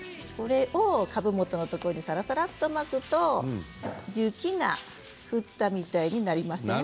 これを株もとのところにさらさらまくと雪が降ったみたいになります。